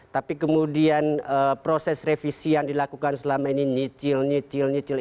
tapi kemudian proses revisi yang dilakukan selama ini nyicil nyicil nyicil